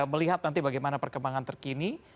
melihat nanti bagaimana perkembangan terkini